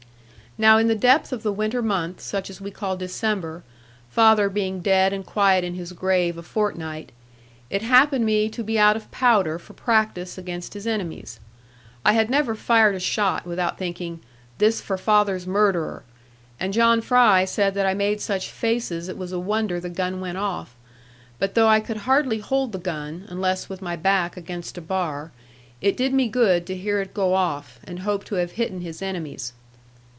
Now in the depth of the winter month, such as we call December, father being dead and quiet in his grave a fortnight, it happened me to be out of powder for practice against his enemies. I had never fired a shot without thinking, 'This for father's murderer'; and John Fry said that I made such faces it was a wonder the gun went off. But though I could hardly hold the gun, unless with my back against a bar, it did me good to hear it go off, and hope to have hitten his enemies.